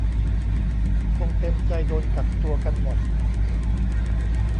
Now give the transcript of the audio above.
คงเต็มใจโดนกักตัวกันหมด